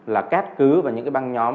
là cát cứ và những cái băng nhóm